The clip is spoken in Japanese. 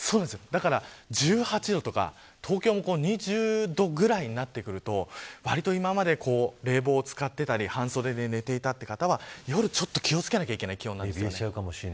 １８度とか東京も２０度くらいになってくると今まで冷房を使っていたり半袖で寝ていたという方は夜、気を付けなきゃいけない気温なんです。